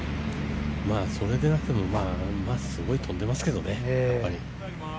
それでなくてもすごい飛んでますけどね。